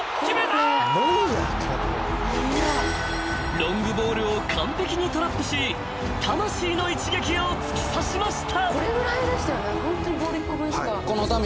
［ロングボールを完璧にトラップし魂の一撃を突き刺しました］